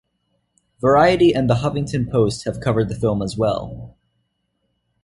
Variety and The Huffington Post have covered the film as well.